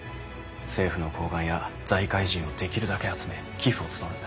政府の高官や財界人をできるだけ集め寄付を募るんだ。